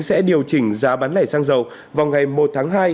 sẽ điều chỉnh giá bán lẻ xăng dầu vào ngày một tháng hai